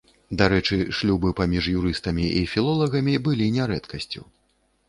Дарэчы, шлюбы паміж юрыстамі і філолагамі былі нярэдкасцю.